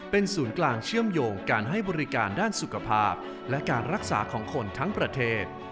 เป็นศูนย์กลางเชื่อมโยงการให้บริการด้านสุขภาพและการรักษาของคนทั้งประเทศ